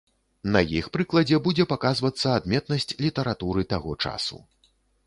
На іх прыкладзе будзе паказвацца адметнасць літаратуры таго часу.